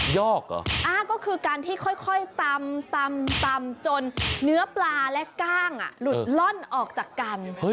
อกเหรอก็คือการที่ค่อยตำจนเนื้อปลาและกล้างหลุดล่อนออกจากกัน